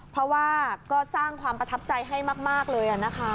เพราะว่าก็สร้างความประทับใจให้มากเลยนะคะ